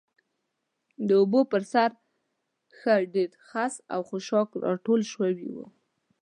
د اوبو پر سر ښه ډېر خس او خاشاک راټول شوي و.